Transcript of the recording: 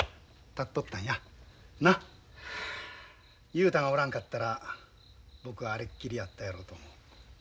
雄太がおらんかったら僕はあれっきりやったやろうと思う。